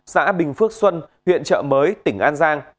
xã bình phước xuân huyện chợ mới tỉnh an giang